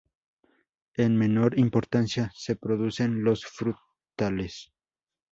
En menor importancia se producen los frutales.